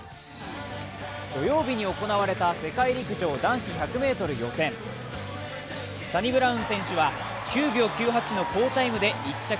土曜日に行われた世界陸上男子１００ｍ予選、サニブラウン選手は９秒９８の好タイムで１着。